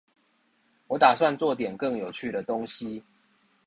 我打算做點更有趣的東西